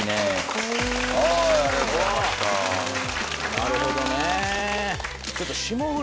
なるほどね。